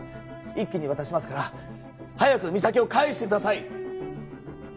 一気に渡しますから早く実咲を返してください！